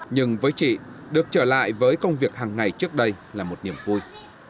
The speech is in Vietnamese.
nhưng với chị được trở lại với công việc hàng ngày trước đây là một niềm vui